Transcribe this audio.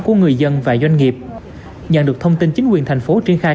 của người dân và doanh nghiệp nhận được thông tin chính quyền thành phố triển khai